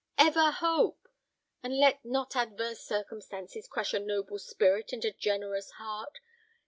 ever hope! and let not adverse circumstances crush a noble spirit and a generous heart.